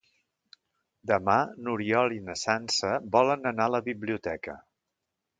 Demà n'Oriol i na Sança volen anar a la biblioteca.